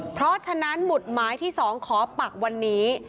เพราะฉะนั้นหมุดหมายที่๒ขอปักวันนี้